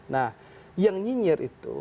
nah yang nyinyir itu